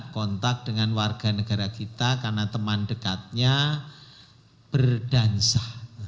kontak dengan warga negara kita karena teman dekatnya berdansa